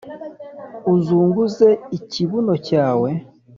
uzunguze ikibuno cyawe